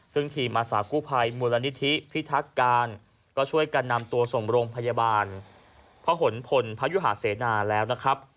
ซึ่งทีมอาสากู้ภัยมูลนิธิพิทักการก็ช่วยกันนำตัวส่งโรงพยาบาลพระหลพลพยุหาเสนาแล้วนะครับ